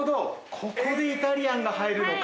ここでイタリアンが入るのか。